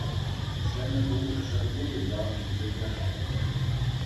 Ҫӗнӗ уйӑх шевли те яланхи пекех.